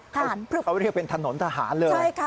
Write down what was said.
เพราะตรงนั้นเขาเรียกเป็นถนนทหารเลย